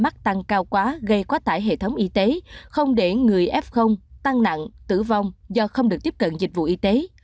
mắc tăng cao quá gây quá tải hệ thống y tế không để người f tăng nặng tử vong do không được tiếp cận dịch vụ y tế